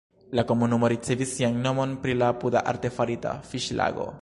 La komunumo ricevis sian nomon pri la apuda artefarita fiŝlago.